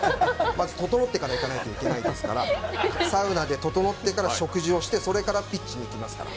整ってから行かないといけないですからサウナで整ってから食事をしてそれからピッチに行きますから。